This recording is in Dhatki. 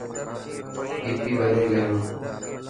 بي پي وڌي گيو هي.